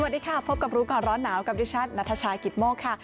สวัสดีค่ะพบกับรู้ก่อนร้อนหนาวกับดิฉันนัทชายกิตโมกค่ะ